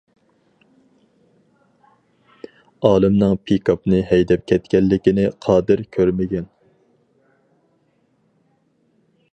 ئالىمنىڭ پىكاپنى ھەيدەپ كەتكەنلىكىنى قادىر كۆرمىگەن.